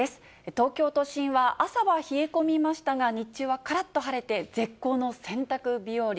東京都心は、朝は冷え込みましたが、日中はからっと晴れて、絶好の洗濯日和。